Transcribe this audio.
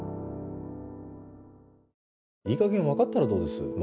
いい加減わかったらどうです？